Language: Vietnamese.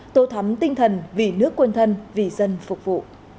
tô thắm tinh thần vì nước quân thân vì dân phục vụ